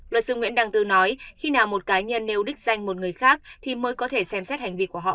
luật sư nguyễn đăng tư nói khi nào một cá nhân nêu đích danh một người khác thì mới có thể xem xét hành vi của họ